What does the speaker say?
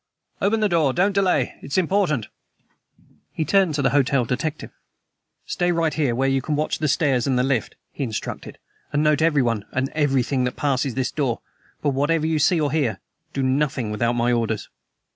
"Open the door! Don't delay; it is important." He turned to the hotel detective. "Stay right there where you can watch the stairs and the lift," he instructed; "and note everyone and everything that passes this door. But whatever you see or hear, do nothing without my orders."